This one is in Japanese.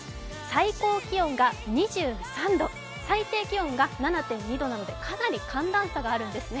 最高気温が２３度、最低気温が７．２度なのでかなり寒暖差があるんですね。